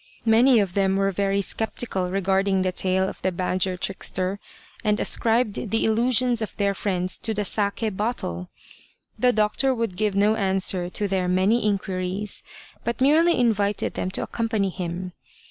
Many of them were very sceptical regarding the tale of the badger trickster, and ascribed the illusions of their friends to the sake bottle. The doctor would give no answer to their many in quiries, but merely invited them to accompany him.